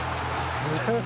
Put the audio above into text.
すごい。